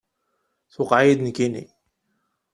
Tuqiɛ-yi-d nekkini.